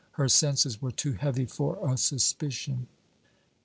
Her senses were too heavy for a suspicion.